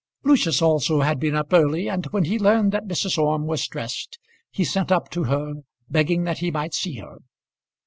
Lucius also had been up early, and when he learned that Mrs. Orme was dressed, he sent up to her begging that he might see her.